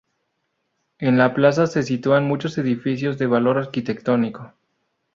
En la plaza se sitúan muchos edificios de valor arquitectónico.